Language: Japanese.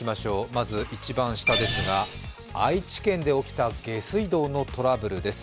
まず一番下ですが、愛知県で起きた下水道のトラブルです。